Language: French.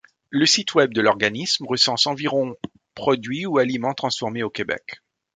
Le site web de l'organisme recense environ produits ou aliments transformés au Québec.